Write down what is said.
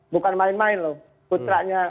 bukan main main loh putranya